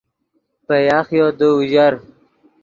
پے یاخیو دے اوژر